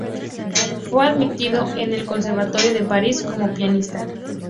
Fue admitido en el Conservatorio de París como pianista.